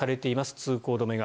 通行止めが。